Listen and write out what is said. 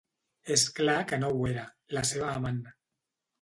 És clar que no ho era, la seva amant